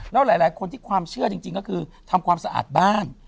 แล้วหลายคนที่ความเชื่อจริงก็คือทำความสะอาดบ้าน